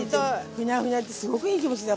ふにゃふにゃですごくいい気持ちだから。